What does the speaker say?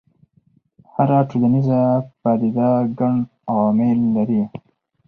هره ټولنیزه پدیده ګڼ عوامل لري.